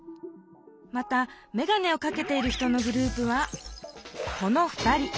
またメガネをかけている人のグループはこの２人。